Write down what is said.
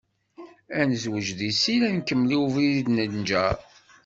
Ad nezweǧ di sin ad nkemmel i ubrid i d-nenjer.